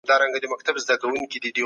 دولتونه تل د خپلو ګټو لپاره خبري نه کوي.